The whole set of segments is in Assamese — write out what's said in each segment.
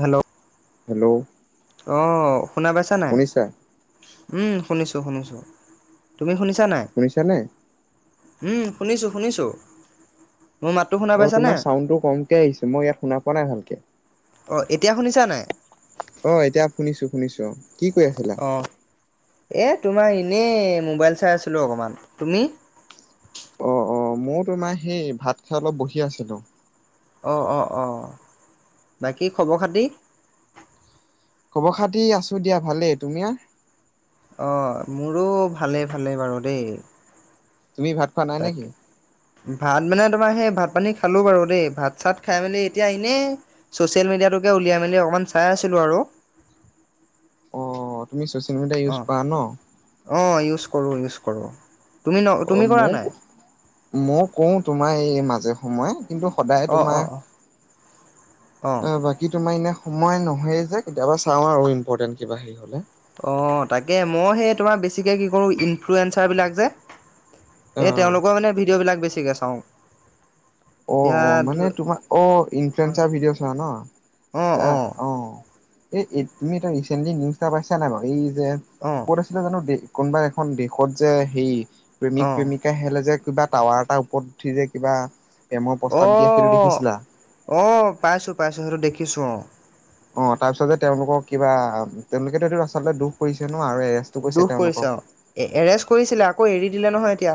হেলৌ! হেলৌ! অঁ শুনা পাইছা নাই? উমঁ শুনিছোঁ শুনিছোঁ তুমি শুনিছা নাই। শুনিছাঁ নে? উমঁ শুনিছোঁ শুনিছোঁ মোৰ মাত- অঁ তোমাৰ চাউণ্ডটো কমকে আহিছো মই ইয়াত শুনা পোৱা নাই ভালকে। অঁ এতিয়া শুনিঁছা নাই। অঁ এতিয়া শুনিছোঁ শুনিছোঁ অঁ কি কৈ আছিলা? অঁ এই তোমাৰ এনেই মোবাইল চাই আছিলোঁ অকণমান তুমি? অঁ মই তোমাৰ সেই ভাত খাই অলপ বহি আছিলো। অঁ অঁ অঁ বাকী খবৰ খাতি? খবৰ খাতি আছো দিয়া ভালেই তোমীয়া। অঁ মোৰো ভালে ভালে বাৰু দেই। তুমি ভাত- খোৱা নাই নেকি তাকে। ভাত মানে তোমাৰ সেই ভাত পানী খালো বাৰু দেই ভাত চাত খাই মেলি এতিয়া এনেই। ছচিয়েল মিডিয়াটোকে উলিয়াই মেলি অকণমান চাই আছিলো আৰু। অঁ তুমি চচিয়েল মিডিয়া ইউজ অঁ কৰা ন। অঁ ইউজ কৰো ইউজ কৰো। অঁ মোক মই কওঁ তোমাৰ এই মাজে সময়ে। কিন্তু সদায় অঁ তোমাৰ অঁ অঁ অ', বাকী তোমাৰ এনে- সময় নহয়েই যে কেতিয়াবা চাওঁ আৰু ইম্পৰ্টেণ্ট কিবা হেৰি হ'লে। অঁ তাকে মই সেই তোমাৰ বেছিকে কি কৰো ইনফ্লুৱয়েঞঞ্চাৰ বিলাক যে অ এই তেওঁলোকৰ মানে ভিডিঅ' বিলাক বেছিকে চাওঁ। অঁ এতিয়া অঁ মানে তোমাৰ অঁ অ', ইনফ্লুএঞ্চাৰ ভিডিঅ' চোৱা ন। অ', এটা অ', অঁ এই তুমি এটা ৰিচেন্টলি নিউজ এটা পাইছা নাই বাৰু এই যে। অঁ! ক'ত হৈছিলে জানো কোনোবা এখন দেশত যে সেই প্ৰেমিক অ', প্ৰেমিক। কা হলে যে কিবা টাৱাৰ এটা ওপৰত উঠি যে কিবা প্ৰেমৰ প্ৰস্তাৱ দিয়া সেইটো দেখিছিলা। অঁ পাইছোঁ পাইছোঁ সেইটো দেখিছোঁ অঁ। অঁ তাৰপিছত যে তেওঁলোকক কিবা তেওঁলোকেতো এইটো ৰাস্ততে দুখ কৰিছে ন আৰু এ- দুখ কৰিছে আও এৰেষ্ট কৰিছিলে আকৌ এৰি দিলে নহয় এতিয়া।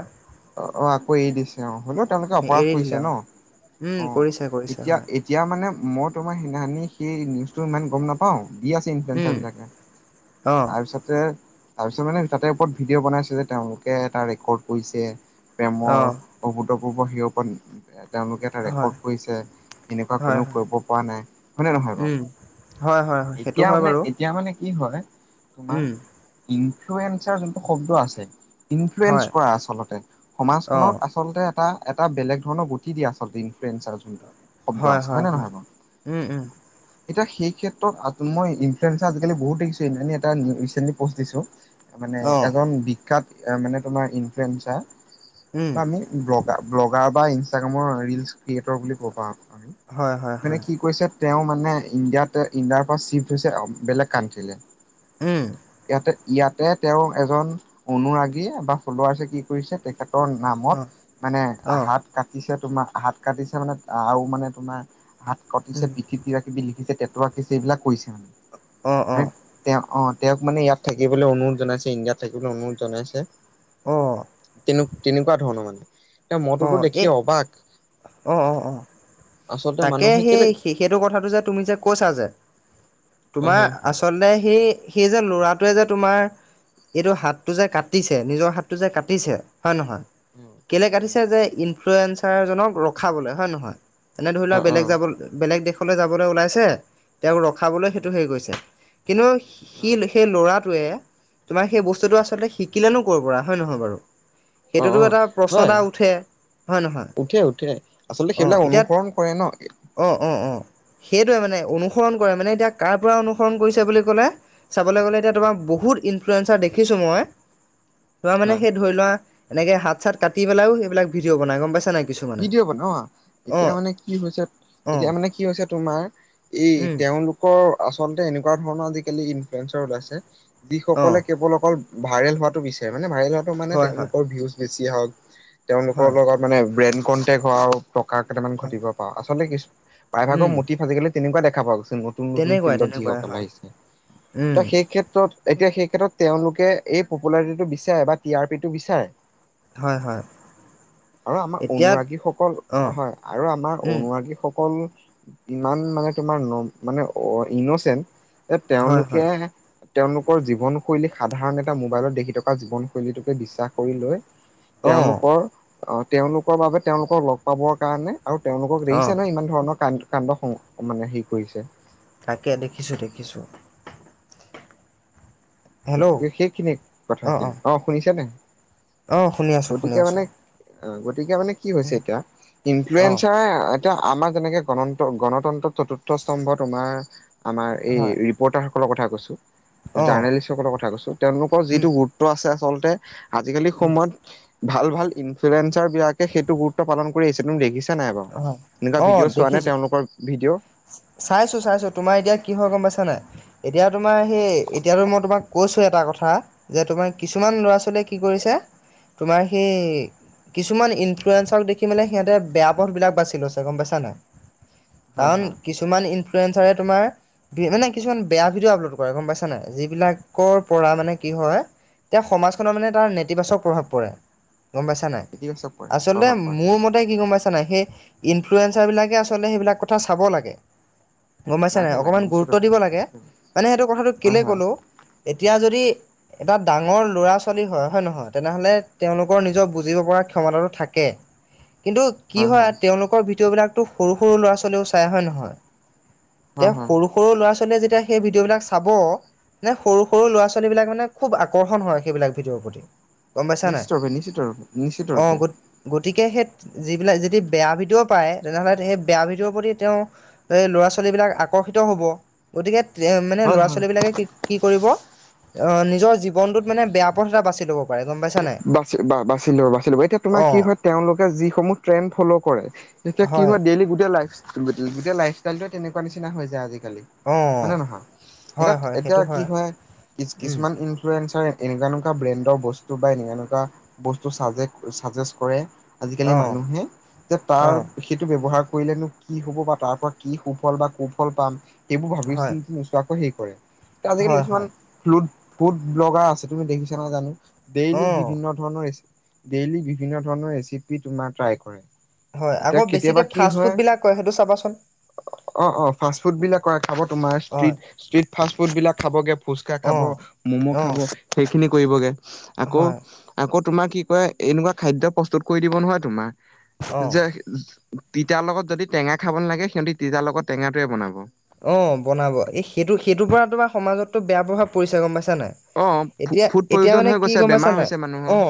অঁ অঁ আকৌ এৰি দিছে অঁ হ'লেও তেওঁলোকে অপৰাধ এৰি দিলে কৰিছে ন অ', উম, অঁ কৰিছে কৰিছে এতিয়া হয়। এতিয়া মানে মই তোমাৰ সেইনানি সেই নিউজটো ইমান গম নাপাওঁ। পাওঁ দি আছে উম, ইনফ্লুৱেঞ্চাৰবিলাকে অ', তাৰপিছতে- তাৰপিছত মানে তাতে ওপৰত ভিডিঅ' বনাইছে যে তেওঁলোকে এটা ৰেকৰ্ড কৰিছে অ', প্ৰেমৰ- অভূতপূৰ্ব সেই ওপৰত তেওঁলোকে। এটা হয়, ৰেকৰ্ড কৰিছে এনেকুৱা হয়, কোনেওঁ হয়, কৰিব পৰা নাই হয়নে নহয় উম। বাৰু। হয়, হয়, হয়, সেইটো এতিয়া হয় মানে বাৰু এতিয়া মানে কি হয়। তোমাৰ উম, ইনফ্লুৱেঞ্চাৰ যোনটো শব্দ আছে হয়, ইনফ্লুৱেঞ্চ কৰা আচলতে। সমাজখনক অ', আচলতে এটা এটা বেলেগ ধৰণৰ গতি দিয়ে আচলতে ইনফ্লয়েঞ্চ যোনটো। শব্দ হয়, আছে হয়, হয়নে হয়, নহয় বাও। উম, উম, এতিয়া সেই ক্ষেত্ৰত আ মই ইনফ্লুৱেঞ্চাৰ আজিকালি বহুত দেখিছো সেইদিনাখনি এটা ৰিচেণ্টলি পষ্ট দিছোঁ। মানে অ', এজন বিখ্যাত মানে তোমাৰ ইনফ্লয়েঞ্চাৰ উম। বা আমি ব্লগা ব্লগাৰ বা ইনষ্টাগ্ৰামৰ ৰিলচ ক্ৰিয়েটৰ বুলি ক'ব পাওঁ আমি। হয় হয় মানে হয় কি কৰিছে তেওঁ মানে ইণ্ডিয়াত ইণ্ডিয়াৰ পৰা চিফ্ট হৈছে বেলেগ কানট্ৰিলে। উম। ইয়াতে ইয়াতে তেওঁৰ এজন অনুৰাগী বা ফল্ল'ৱাৰ্চে কি কৰিছে তেখেত নামত অ মানে অ হাত কা কাটিছে তোমাৰ হাত কাটিছে মানে আৰু মানে তোমাৰ হাত উম কটিছে পিঠি তি কিবি লিখিছে, তেটো আঁকিছে এইবিলাক কৰিছে অ অ মানে। তেওঁক অ' তেওঁক মানে ইয়াত থাকিবলৈ অনুৰোধ জনাইছে, ইণ্ডিয়াত থাকিবলৈ অনুৰোধ জনাইছে। অ'। তেনে তেনেকুৱা ধৰণৰ মানে। এতিয়া অ মইটোতো দেখি এই অবাক, অ অ অ আচলতে তাকে মানুহে কেলে সেই সেইটো কথাটো যে তুমি যে কৈছা যে, অ হ তোমাৰ আচ আচলতে সেই সেই যে ল'ৰাটোৱে যে তোমাৰ এইটো হাতটো যে কাটিছে, নিজৰ হাতটো যে কাটিছে হয় নহয়, কেইলে কাটিছে ইনফ্লুৱয়েঞ্চাৰজনক ৰখাবলৈ হয়ে নহয়, এনে ধৰি অ লোৱা অ বেলেগ যাব বেলেগ দেশলৈ যাবলৈ ওলাইছে তেওঁক ৰখাবলৈ সেইটো হেৰি কৰিছে কিন্তু সি সেই ল'ৰাটোৱে তোমাৰ সেই বস্তুটো আচলতে শিকিলেনো ক'ৰ পৰা হয় নহয় বাৰু? অ সেইটোতো অ এটা প্ৰশ্ন হয় এটা উঠে হয় নহয় উঠে, উঠে, আচলতে সেইবিলাক অনুসৰণ কৰে ন' অ', অ', অ', সেইটোৱে মানে অনুসৰণ কৰে, মানে এতিয়া কাৰ পৰা অনুসৰণ কৰিছে বুলি ক'লে চাবলৈ গ'লে এতিয়া তোমাৰ বহুত ইনফ্লুৱেঞ্চাৰ দেখিছোঁ মই তোমাৰ মানে ধৰি লোৱা এনেকে হাত চাত কাটি পেলাইও সেইবিলাক ভিডিঅ' বনাই গম পাইছা নাই? কিছুমানে ভিডিঅ' বনোৱা এতিয়া অঁ মানে কি হৈছে অঁ এতিয়া মানে কি হৈছে তোমাৰ এই উম তেওঁলোক আচলতে এনেকুৱা ধৰণৰ আজিকালি ইনফ্লুৱেঞ্চৰ ওলাইছে অঁ যিসকলে কেৱল অকল ভাইৰেল হোৱাটো বিচাৰে মানে, ভাইৰেল হোৱাটো মানে হয় হয় তেওঁলোকৰ ভিউজ বেছি হওক, তেওঁলোকৰ হয় লগত মানে ব্ৰেইন কন্টেক হওঁ, টকা কেইটামান হয় ঘটিব পাওঁ, আচলতে কি প্ৰায়ভাগৰ উম মুটি আজিকালি তেনেকুৱা দেখা পোৱা গৈছে, নতুন নতুন তেনেকুৱাই ফিল্ডত তেনেকুৱাই যিসকল হয় আহিছে, উম ত' সেই ক্ষেত্ৰত এতিয়া সেই ক্ষেত্ৰত তেওঁলোকে এই পপুলাৰিটিটো বিচাৰে, বা টি আৰ পিটো বিচাৰে। হয় হয়। আৰু আমাৰ এতিয়া অনুৰাগীসকল অঁ হয় আৰু আমাৰ উম অনুৰাগীসকল ইমান মানে তোমাৰ ন মানে ইনচেণ্ট যে হয় হয় তেওঁলোকে তেওঁলোকৰ জীৱনশৈলী সাধাৰণ এটা মোবাইলত দেখি থকা জীৱনশৈলীটোকে বিশ্বাস কৰি লৈ অঁ তেওঁলোকৰ আহ, তেওঁলোকৰ বাবে তেওঁলোকক লগ পাবৰ কাৰণে আৰু তেওঁলোকক অঁ দেখিছা ন' ইমান ধৰণৰ কা-কাণ্ড স মানে হেৰি কৰিছে। তাকে দেখিছোঁ দেখিছোঁ। হেল্ল' গতিকে সেইখিনি অঁ কথাখিনি, অঁ অ' শুনিছানে? অ শুনি আছো শুনি গতিকে আছো মানে অ' গতিকে মানে কি হৈছে উম, এতিয়া অ ইনফ্লয়েঞ্চাৰে এতিয়া আমাৰ যেনেকে গণ-গণতন্ত্ৰ চতুৰ্থ স্তম্ভত তোমাৰ আমাৰ এই হয় ৰি পৰ্টাৰসকলৰ কথা কৈছোঁ, অ জাৰ্নেলিষ্টসকলৰ কথা কৈছোঁ, তেওঁলোকৰ উম যিটো গুৰুত্ব আছে আচলতে আজিকালি উম সময়ত ভাল ভাল ইনফ্লয়েঞ্চাৰবিলাকে সেইটো গুৰুত্ব পালন কৰিছে মই দেখিছ নাই বাৰু, হয় এনেকুৱা ভিডিঅ' চোৱানে তেওঁলোকৰ ভিডিঅ'? চাইছোঁ চাইছোঁ, তোমাৰ এতিয়া কি হয় গম পাইছা নাই? এতিয়া তোমাৰ সেই এতিয়াতো মই তোমাক কৈছোঁ এটা কথা যে তোমাৰ কিছুমান ল'ৰা ছোৱালীয়ে কি কৰিছে। তোমাৰ সেই কিছুমান ইনফ্লুৱেঞ্চক দেখি মানে সিহঁতে বেয়া পথ বিলাক বাছি লৈছে গম পাইছা নে নাই হয় কাৰণ হয় কিছুমান ইনফ্লয়েঞ্চাৰে তোমাৰ মানে কিছুমান বেয়া ভিডিঅ' আপলোড কৰে গম পাইছা নে নাই যিবিলাকৰ পৰা মানে কি হয়। এতিয়া সমাজখনৰ মানে তাৰ নেতিবাচক প্ৰভাৱ পৰে। গম পাইছা নে নাই ইতিবাচক পৰে আচলতে প্ৰভাৱ পৰে মোৰ হয় মতে কি গম পাই নাই সেই ইনফ্লুয়েঞ্চাৰ বিলাকে আচলতে সেইবিলাক কথা চাব লাগে। গম পাইছা নে নাই লাগে লাগে অকণমান নিশ্চিত গুৰুত্ব ৰূপে দিব লাগে নিশ্চিত ৰূপে মানে সেইটো কথাটো হয় কেলৈ হয় ক'লোঁ এতিয়া যদি এটা ডাঙৰ ল'ৰা ছোৱালী হয়, হয় নহয় তেনেহ'লে তেওঁলোকৰ নিজৰ বুজিব পৰা ক্ষমতাটো থাকে। কিন্তু কি হয় তেওঁলোকৰ ভিডিঅ' বিলাকতো সৰু, সৰু ল'ৰা ছোৱালীও চাই হয় নহয় হয় তেওঁ হয় সৰু সৰু ল'ৰা ছোৱালীয়ে যেতিয়া সেই ভিডিঅ'বিলাক চাব। সৰু, সৰু ল'ৰা ছোৱালীবিলাক মানে খুব আকৰ্ষণ হয়, সেইবিলাক ভিডিওৰ প্ৰতি। গম পাইছা নাই নিশ্চত ৰূপে, নিশ্চিত ৰূপে, নিশ্চিত অ ৰূপে। গত গতিকে সেই যিবিলাক যদি বেয়া ভিডিঅ' পায় তেনেহ'লে সেই বেয়া ভিডিঅ'ৰ প্ৰতি তেওঁ। এই ল'ৰা ছোৱালী বিলাক আকৰ্ষিত হব গতিকে এ মানে হয় ল'ৰা হয় ছোৱালী বিলাকে কি কি কৰিব অ নিজৰ জীৱনটোত মানে বেয়া পথ এটা বাচি ল'ব। পাৰে গম পাইছা নাই বাচি বা-বাচি লব এতিয়া তোমাৰ অ কি হয় তেওঁলোকে যিসমূহ ট্ৰেণ্ড ফ'ল' কৰে। তেতিয়া কি হয় ডেইলি গোটেই লাই গোটেই লাইফষ্টাইলটোৱে তেনেকুৱা নিচিনা হৈ যায় আজিকালি। অ হয়নে নহয় এতিয়া, হয় হয় এতিয়া সেইটো কি হয় উম কি-কিছুমান ইন [unintelligible] এনেকুৱা, এনেকুৱা ব্ৰেণ্ডৰ বস্তু বা এনেকুৱা, এনেকুৱা বস্তু চাজেষ্ট কৰে। আজিকালি অ মানুহে যে তাৰ। অ সেইটো ব্যৱহাৰ কৰিলেনো কি হ'ব বা তাৰ পৰা কি সুফল বা কুফল পাম। সেইবোৰ ভাবি হয় চিন্তি নোচোৱাকৈ সেই কৰে আজিকালি হয় কিছুমান। হয় [unintelligible] ফুড ব্লগাৰ আছে তুমি দেখিছা নাই জানোঁ অ ডেইলি বিভিন্ন [unintelligible] ডেইলি বিভিন্ন ধৰণৰ ৰেচিপি তোমাৰ ট্ৰাই কৰে। হয়। এতিয়া আকৌ কেতিয়াবা বেছিকে কি ফাষ্ট হয় ফুড বিলাক কয় সেইটো চাবা অ, অ ফাষ্ট ফুড বিলাক কৰা খাব তোমাৰ ষ্ট্ৰট হয় ষ্ট্ৰিট ফাষ্ট ফুড বিলাক খাবগে ফুচকা অ খাব ম'ম' অ খাব। সেইখিনি কৰিবগে আকৌ। হয় আকৌ তোমাৰ কি কৰে এনেকুৱা খাদ্য প্ৰস্তুত কৰি দিব নহয় তোমাৰ অ যে তিতাৰ লগত যদি টেঙা খাব নালাগে সিহঁতি তিতাৰ লগত টেঙাটোৱে বনাব। অ, বনাব এই সেইটো, সেইটোৰ পৰা তোমাৰ সমাজতটো বেয়া প্ৰভাৱ পৰিছে গম পাইছা নে অ নাই? এতিয়া, ফুড এতিয়া প্ৰয়োজন মানে হৈ কি গৈছে গম বেমাৰ পাইছা নে নাই? হৈছে মানুহৰ অ।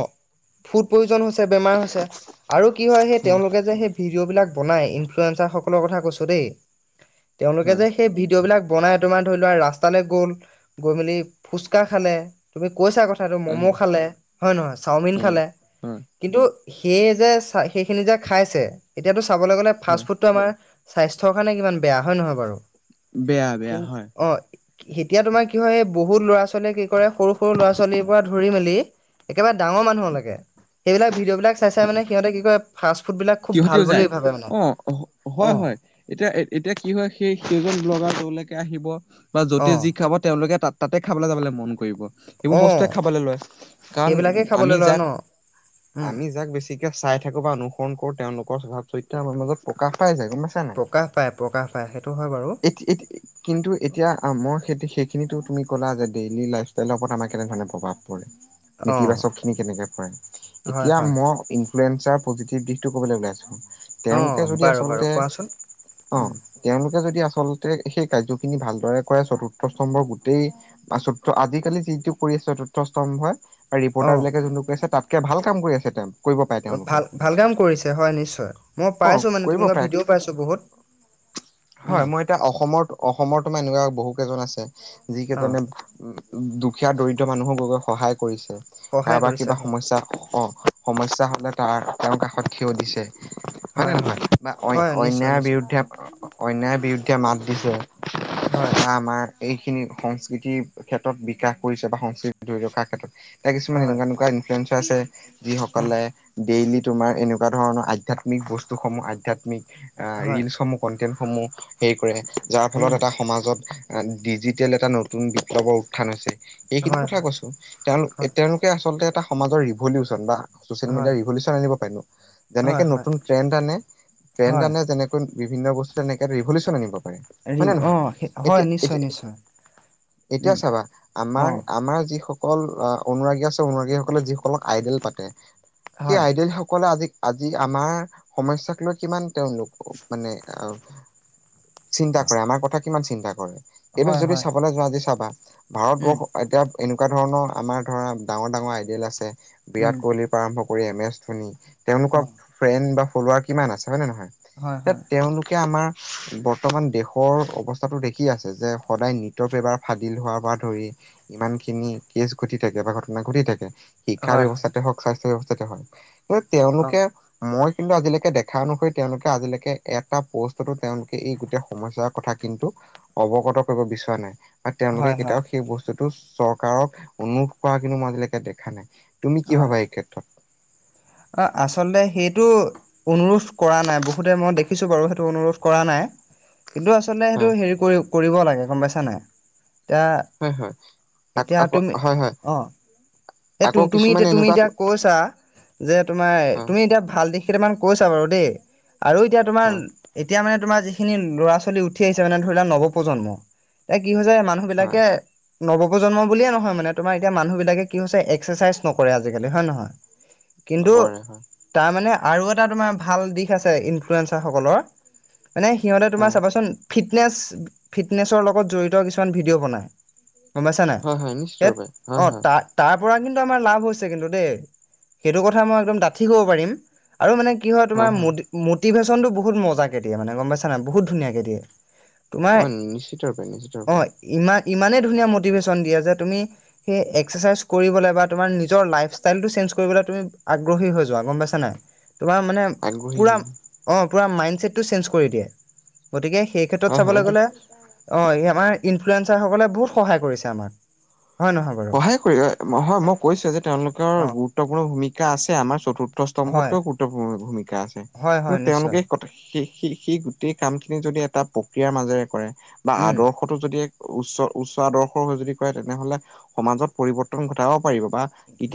ফুড পয়জন হৈছে বেমাৰ হৈছে আৰু কি হয় সেই তেওঁলোকে যে সেই ভিডিঅ'বিলাক বনাই ইনফ্লুৱেশ্বাৰ সকলৰ কথা কৈছোঁ দেই। তেওঁলোকে হয় যে সেই ভিডিঅ'বিলাক বনাই তোমাৰ ধৰি লোৱা ৰাস্তালৈ গ'ল। গৈ মেলি ফুচকা খালে তুমি কৈছা কথা [unintelligible] ম'ম' হয় খালে হয় নে নহয় চাওমিন হয় খালে। হয় কিন্তু সেই যে সেইখিনি যে খাইছে এতিয়াতো চাবলৈ গ'লে ফাষ্ট হয় ফুডটো আমাৰ স্বাস্থ্যৰ কাৰণে কিমান বেয়া হয় নহয় বাৰু বেয়া বেয়া কিন্তু হয় অ এতিয়া তোমাৰ কি হয় এই বহুত ল'ৰা ছোৱালীয়ে কি কৰে সৰু, সৰু ল'ৰা ছোৱালীৰ পৰা ধৰি মেলি। একেবাৰে ডাঙৰ মানুহৰ লৈকে সেইবিলাক ভিডিঅ' বিলাক চাই, চাই মানে সিহঁতে কি কৰে ফাষ্ট ফুড বিলাক। খুব ভাল সিহঁতেও বুলি যায় ভাবে মানে অ অ হয়, হয়। এতিয়া, এতিয়া কি হয় সেই সেইজন ব্লগাৰ যোৰলৈকে আহিব বা অ যতে যি খাব তেওঁলোকে তাত তাতে খাবলে যাবলে মন কৰিব সেইবোৰ অ বস্তুৱে খাবলৈ লয় কাৰণ সেইবিলাকেই আমি খাবলৈ লয় যাক ন উম আমি যাক বেছি চাই থাকো বা অনুসৰণ কৰো তেওঁলোকৰ স্বভাৱ চৰিত্ৰ আমাৰ মাজত প্ৰকাশ পাই যায় গম পাইছা প্ৰকাশ পায় প্ৰকাশ পায় সেইটো হয় বাৰু ঠিকে ঠিকে কিন্তু এতিয়া আম খেতি সেইখিনিতো তুমি ক'লা যে ডেইলি লাইফষ্টাইলৰ ওপৰত আমাৰ কেনেধৰণ প্ৰভাৱ পৰে অ নেতিবাচক খিনি কেনেকে পৰে হয় এতিয়া হয় মই ইনফ্লুৱেনচাৰ পজিটিভ দিশ টো কবলৈ ওলাইছো অ তেওঁলোকে যদি বাৰু বাৰু আচলতে কোৱাচোন অ উম তেওঁলোকে যদি আচলতে সেই কাৰ্যখিনি ভালদৰে কৰে চতুৰ্থ স্তম্ভৰ গোটেই পাচুত্ৰ আজিকালি যিটো কৰি চতুৰ্থস্তম্ভ হয় আৰু অ ৰিপৰ্টাৰ বিলাকে যোনটো কৈ আছে তাতকে ভাল কাম কৰি আছে তেওঁ কৰিব পাৰে অ তেওঁলোকে ভাল ভাল কাম কৰিছে হয় নিশ্চয় মই অ পাইছো মানে কৰিব তেনেকুৱা পাৰে ভিডিঅ' পাইছো বহুত উম হয় মই এতিয়া অসমত অসমৰ তোমাৰ এনেকুৱা বহু কেইজন আছে যি অ কেইজনে উম দুখীয়া দৰিদ্ৰ মানুহৰ গৈ গৈ সহায় কৰিছে সহায় কাৰোবাৰ কৰিছে কিবা হয় সমস্যা অ সমস্যা অ হলে তাৰ তেওঁৰ কাষত থিয় দিছে হয়নে হয় হয় নহয় বা অ হয় নিশ্চয় অন্যায়ৰ নিশ্চয় বিৰুদ্ধে অন্যায়ৰ বিৰুদ্ধে মাত দিছে হয় বা আমাৰ এইখিনি সংস্কৃতিৰ ক্ষেত্ৰত বিকাশ কৰিছে বা সংস্কৃতি ধৰি ৰখা ক্ষেত্ৰত এতিয়া কিছুমান হয় এনেকুৱা এনেকুৱা ইনফ্লুৱেঞ্চাৰ আছে উম যিসকলে ডেইলি তোমাৰ এনেকুৱা ধৰণৰ আধ্যাত্ মিক বস্তুসমূহ আধ্যাত্মিক হয় ৰিলচসমূহ কণ্টেণ্টসমূহ হেৰি কৰে যাৰ ফলত উম এটা সমাজত ডিজিটেল এটা নতুন বিপ্লৱৰ উত্থান হৈছে এইখিনি হয় কথা হয় কৈছো তেওঁলো হয় তেওঁলোকে আচলতে এটা সমাজৰ ৰিভলিউচন বা চচিয়েল মিডিয়াৰ হয় ৰিভলিউচন আনিব পাৰিলো যেনেকে হয় হয় নতুন ট্ৰেড আনে ট্ৰেণ্ড হয় আনে যেনে বিভিন্ন বস্তু এনেকে ৰিভলিচন আনিব পাৰে হয় ৰিব নে অ নহয় হয় এতিয়া নিশ্চয় এতিয়া নিশ্চয় এতিয়া উম চাবা অ আমাৰ আমাৰ যিস অকল অনুৰাগী আছে অনুৰাগীসকলে যিসকলক আইডেল পাতে সেই হয় আইডেল সকলে আজি আজি আমাৰ সমস্যাক লৈ কিমান তেওঁলোক মানে চিন্তা কৰে আমাৰ কথা কিমান চিন্তা কৰে এইটো হয় যদি হয় চাবলৈ যোৱা আজি চাবা উম ভাৰতবৰ্ষ এতিয়া এনেকুৱা ধৰণৰ আমাৰ ধৰা ডাঙৰ ডাঙৰ আইডিয়েল আছে উম বিৰাট কোহলি আৰম্ভ কৰি এম এছ ধনি অ তেওঁলোকৰ ফ্ৰেণ্ড বা ফলাৰ কিমান আছে হয় নে নহয় হয় হয় এতিয়া তেওঁলোকে আমাৰ বৰ্তমান দেশৰ অৱস্থাটো দেখি আছে যে সদায় নিত পেপাৰ ফাদিল হোৱাৰ পৰা ধৰি ইমান খিনি কেচ ঘটি থাকে বা ঘটনা ঘটি থাকে শিক্ষা হয় হয় ব্যৱস্থাতে হওক স্বাস্থ্য ব্যৱস্থাতে হওক কিন্তু অ তেওঁলোকে মই কিন্তু আজিলেকে দেখা অনুসৰি তেওঁলোকে আজিলেকে এটা পোষ্টতো তেওঁলোকে এই গোটেই সমস্যা কথা কিন্তু অৱগত কৰিব বিচৰা নাই আৰু তেওঁলোকে হয় হয় কেতিয়াও সেই বস্তুটো চৰকাৰক অনুৰোধ কৰা কিন্তু মই আজিলেকে দেখা নাই তুমি কি হয় ভাবা এই ক্ষেত্ৰত অ', আচলতে সেইটো অনুৰোধ কৰা নাই বহুতে মই দেখিছো বাৰু সেইটো অনুৰোধ কৰা নাই কিন্তু আচলতে সেইটো হয় হেৰি কৰি কৰিব লাগে গম পাইছা নাই এতিয়া হয় হয় আ এতিয়া আকৌ তুমি হয় হয় অ এ তুম আকৌ তুমি কিছুমান এতিয়া তুমি এনেকুৱা এতিয়া কৈছা যে তোমাৰ হয় তুমি এতিয়া ভাল দিশ কেইটামান কৈছা বাৰু দেই আৰু এতিয়া তোমাৰ হয় এতিয়া মানে তোমাৰ যিখিনি ল'ৰা ছোৱালী উঠি আহিছে মানে ধৰি লোৱা নৱপ্ৰজন্ম এ কি হৈছে মানুহ হয় বিলাকে নৱপ্ৰজন্ম বুলিয়ে নহয় মানে তোমাৰ এতিয়া মানুহ বিলাকে কি হৈছে এক্সাৰচাইজ নকৰে আজিকালি হয় নহয় কিন্তু নপৰে হয় তাৰ মানে আৰু এটা তোমাৰ ভাল দিশ আছে ইনফ্লুৱেঞ্চাৰসকলৰ মানে সিহঁতে তোমাৰ হয় চাবাচোন ফিটনেছ ফিটনেছৰ লগত জড়িত কিছুমান ভিডিঅ' বনায় গম পাইছাানাই হয় হয় নিশ্চিত স ৰূপে হয় অ', হয় তাৰ তাৰ পৰা কিন্তু আমাৰ লাভ হৈছে কিন্তু দেই সেইটো কথা মই একদম ডাঠি ক'ব পাৰিম আৰু মানে কি হয় তোমাৰ মু মটিভেশ্যনটো বহুত মজাকে দিয়ে মানে গম পাইছ নাই বহুত ধুনিয়াকে দিয়ে তোমাৰ অ', নিশ্চিত ৰূপে নিশ্চিত অ ৰূপে ইমান ইমানেই ধুনীয়া মটিভেশ্যন দিয়ে যে তুমি সেই এক্সাৰচাইজ কৰিবলে বা তোমাৰ নিজৰ লাইফষ্টাইলটো চেঞ্জ কৰিবলে তুমি আগ্ৰহী হৈ যোৱা গম পাইছা নাই তোমাৰ মানে আগ্ৰহী পুৰা হয় অ', পুৰা মাইণ্ড চছেটটো চেঞ্জ কৰি দিয়ে গতিকে সেই ক্ষেত্ৰত হয় হয় চাবলৈ এইটো গ'লে অ', আমাৰ ইনফ্লুৱেঞ্চাৰ সকলে বহুত সহায় কৰিছে আমাক হয় নহয় বাৰু সহায় কৰি হয় মই কৈছোয়ে যে তেওঁলোকৰ অ' গুৰুত্বপূৰ্ণ ভূমিকা আছে আমাৰ চতুৰ্থ হয়, অৰ্থস্তম্ভতকৈও গুৰুত্বপূৰ্ণ ভূমিকা আছে হয়, কিন্তু হয় তেওঁলোকে নিশ্চয়। স সি এই কাম খিনি যদি এটা প্ৰক্ৰিয়াৰ মাজেৰে কৰে বা উম, আদৰ্শ [unintelligible] যদি এক উচ্চ উচ্চ আদৰ্শৰ হৈ যদি কৰে তেনেহলে সমাজত পৰিৱৰ্তন ঘটাব পাৰিব বা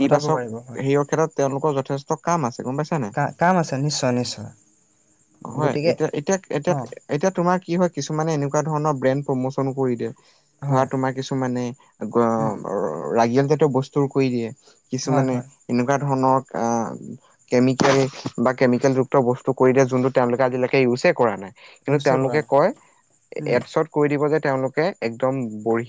ঘটাব পাৰিব হয়। সেইয়ৰ ক্ষেত্ৰত তেওঁলোকৰ যথেষ্ট কাম আছে গমপাইছা নাই কা কাম আছে নিশ্চয়, নিশ্চয়। হয় গতিকে এতিয়া এতিয়া অ' এতিয়া এতিয়া তোমাৰ কি হয় কিছুমানে এনেকুৱা ধৰণৰ ব্ৰেণ্ড প্ৰমোচনো কৰি দিয়ে ধৰা হয়, তোমাৰ কিছুমানে [unintelligible] উম, ৰাগীয়াল জাতীয় বস্তু কৰি দিয়ে হয়, কিছুমানে হয়। এনেকুৱা ধৰণৰ কাম কেমিকেল বা কেমিকেল যুক্ত বস্তু কৰি দিয়ে যোনটো তেওঁলোকে আজিলৈকে ইউজে কৰা নাই কিন্তু ইউজে কৰা তেওঁলোকে নাই। কয় উম। এডছত কৈ দিব যে তেওঁলোকে একদম বঢ়ি